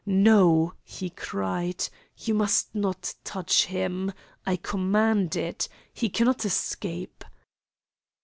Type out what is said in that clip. "No," he cried, "you must not touch him. I command it. He cannot escape."